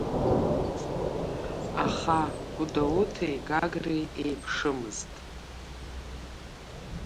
Аха Гәдоуҭеи Гагреи еиԥшымызт.